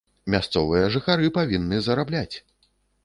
Мясцовыя жыхары павінны зарабляць.